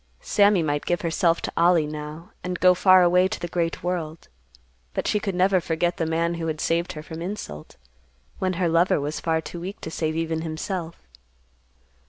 Sammy might give herself to Ollie, now, and go far away to the great world, but she could never forget the man who had saved her from insult, when her lover was far too weak to save even himself.